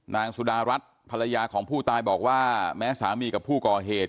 นางสุดารัฐภรรยาของผู้ตายบอกว่าแม้สามีกับผู้ก่อเหตุ